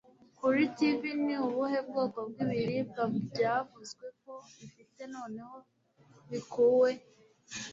Kuri Tv Ni ubuhe bwoko bw'ibiribwa byavuzwe ko bifite "Noneho Bikuwe"